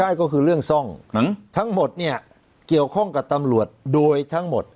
ได้ก็คือเรื่องซ่องทั้งหมดเนี่ยเกี่ยวข้องกับตำรวจโดยทั้งหมด